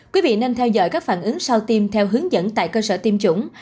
quý vị nên theo dõi các phản ứng sau tiêm theo hướng dẫn tại cơ sở tiêm chủng